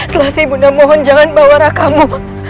selasi ibu undang mohon jangan bawa rakamu